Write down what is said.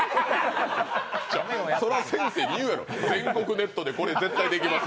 そら、先生に言うやろ全国ネットで絶対できます